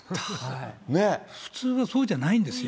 普通はそうじゃないんですよ。